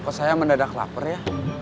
kok saya mendadak lapar ya